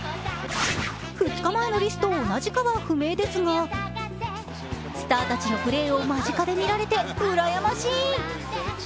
２日前のリスと同じかは不明ですがスターたちのプレーを間近で見られてうらやましい。